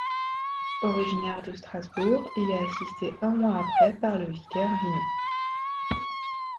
Originaire de Strasbourg, il est assisté un mois après par le vicaire Vinot.